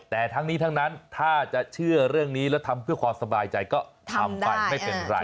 แต่ทั้งนี้ทั้งนั้นถ้าจะเชื่อเรื่องนี้แล้วทำเพื่อความสบายใจก็ทำไปไม่เป็นไร